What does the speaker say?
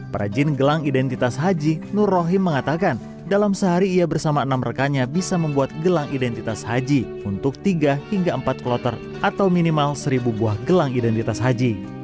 perajin gelang identitas haji nur rohim mengatakan dalam sehari ia bersama enam rekannya bisa membuat gelang identitas haji untuk tiga hingga empat kloter atau minimal seribu buah gelang identitas haji